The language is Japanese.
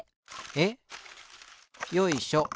えっ？よいしょ。